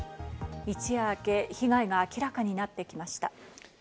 一夜明け、被害が明らかになってきました。